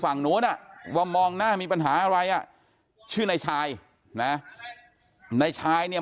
ฝั่งนู้นอ่ะว่ามองหน้ามีปัญหาอะไรอ่ะชื่อนายชายนะในชายเนี่ย